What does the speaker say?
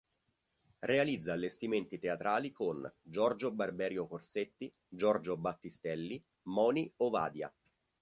Realizza allestimenti teatrali con Giorgio Barberio Corsetti, Giorgio Battistelli, Moni Ovadia.